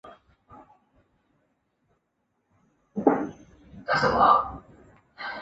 他们的任务是进球和为柱趸制造机会。